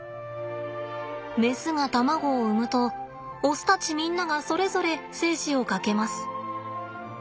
メスが卵を産むとオスたちみんながそれぞれ精子をかけます。